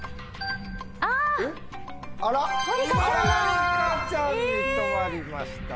まりかちゃんに止まりました。